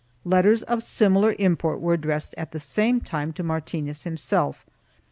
Letters of similar import were addressed at the same time to Martinez himself.